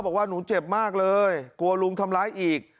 บอกว่าหนูเจ็บมากเลยกลัวลุงทำร้ายอีก